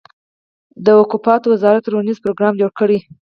د اوقافو وزارت روزنیز پروګرام جوړ کړي.